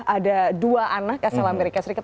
ada dua anak asal amerika serikat